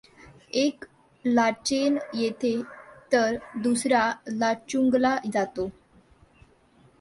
एक लाचेन येथे तर दुसरा लाचुंगला जातो.